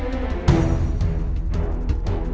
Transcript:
ini masih baru